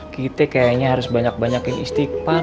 kita kayaknya harus banyak banyakin istighfar